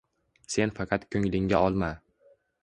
Sen faqat ko`nglingga olma